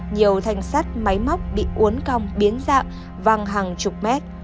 nhiều thanh sắt máy móc bị uốn cong biến dạng văng hàng chục mét